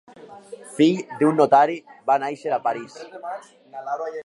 Fill d'un notari, va néixer a París.